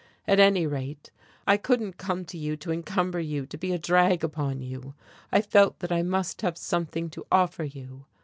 At any rate, I couldn't come to you to encumber you, to be a drag upon you. I felt that I must have something to offer you.